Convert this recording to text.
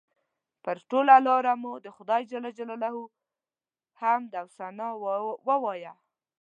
پر ټوله لاره مو د خدای جل جلاله حمد او ثنا ووایه.